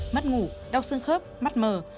mắt ngủ đau xương khớp mắt mờ